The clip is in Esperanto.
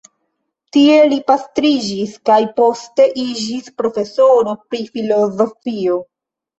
Tie li pastriĝis kaj poste iĝis profesoro pri filozofio.